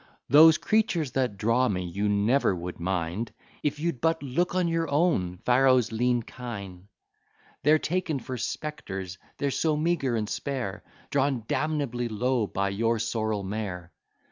Those creatures that draw me you never would mind, If you'd but look on your own Pharaoh's lean kine; They're taken for spectres, they're so meagre and spare, Drawn damnably low by your sorrel mare.